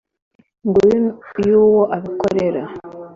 Nyungu y uwo abikorera